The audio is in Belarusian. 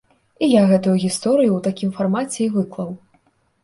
І я гэтую гісторыю ў такім фармаце і выклаў.